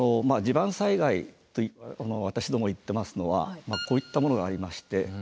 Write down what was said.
地盤災害と私どもが言ってますのはこういったものがありまして。